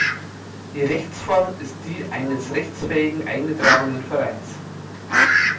Die Rechtsform ist die eines rechtsfähigen eingetragenen Vereins.